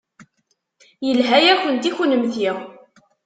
Yelha-yakent i kunemti.